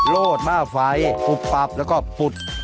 โรดหน้าไฟปุบปับแล้วก็ปุด